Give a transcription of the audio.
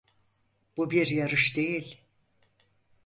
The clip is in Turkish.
Bu bir yarış değil.